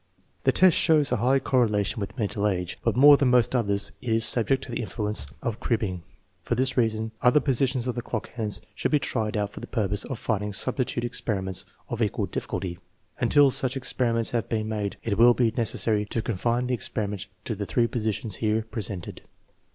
The test shows a high correlation with mental age, but more than most others it is subject to the influence of crib bing. For this reason, other positions of the clock hands should be tried out for the purpose of finding substitute experiments of equal difficulty. Until such experiments Lave been made, it will be necessary to confine the experi ment to the three positions here presented.